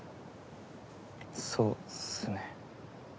そうっすね。